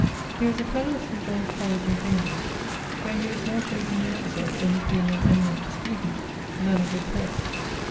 He was a fellow of St. John's Colledge in Cambridge, where he was more taken notice of for his being an eminent disputant, then a good poet.